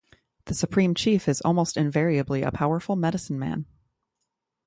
The supreme chief is almost invariably a powerful medicine-man.